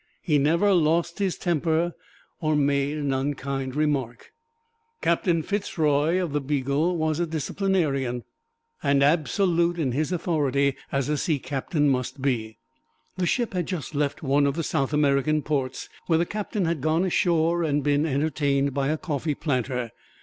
He never lost his temper or made an unkind remark." Captain Fitz Roy of the "Beagle" was a disciplinarian, and absolute in his authority, as a sea captain must be. The ship had just left one of the South American ports where the captain had gone ashore and been entertained by a coffee planter.